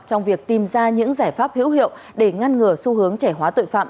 trong việc tìm ra những giải pháp hữu hiệu để ngăn ngừa xu hướng trẻ hóa tội phạm